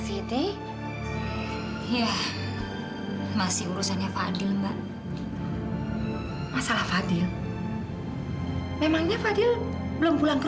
itu maksudnya apa dong